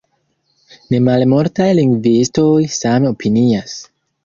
Nemalmultaj lingvistoj same opinias.